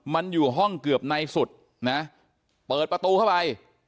มันอยู่ห้องเกือบในสุดนะเปิดประตูเข้าไป